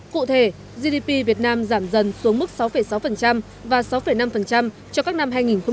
cụ thể gdp việt nam giảm dần xuống mức sáu sáu và sáu năm cho các năm hai nghìn một mươi chín hai nghìn hai mươi